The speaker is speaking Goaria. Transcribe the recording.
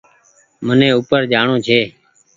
مني او پر جآڻو ڇي